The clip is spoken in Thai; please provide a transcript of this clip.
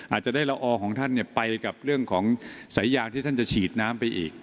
อาจจะได้ละออของท่านไปกับเรื่องของสายยางที่ท่านจะฉีดน้ำไปอีก